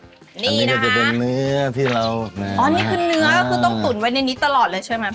นี่น่าจะเป็นเนื้อที่เราอ๋อนี่คือเนื้อก็คือต้องตุ๋นไว้ในนี้ตลอดเลยใช่ไหม